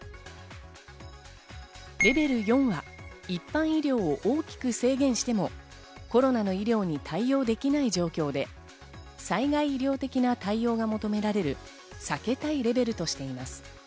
レベル４は、一般医療を大きく制限してもコロナの医療に対応できない状況で、災害医療的な対応が求められる、避けたいレベルとしています。